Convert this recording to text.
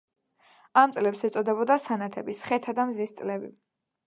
ამ წლებს ეწოდებოდა სანათების, ხეთა და მზის წლები.